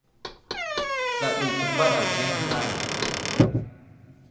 Sla ɗi təpaɗ aviyaŋ i hay.